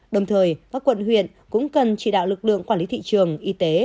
đồng thời các quận huyện cũng cần chỉ đạo lực lượng quản lý thị trường y tế